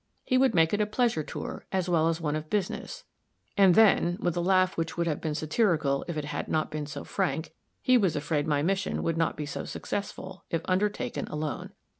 He would make it a pleasure tour, as well as one of business, "and then," with a laugh which would have been satirical if it had not been so frank "he was afraid my mission would not be so successful, if undertaken alone."